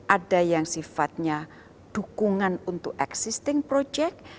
ada yang sifatnya dukungan untuk existing project